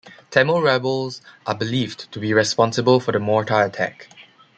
Tamil rebels are believed to be responsible for the mortar attack.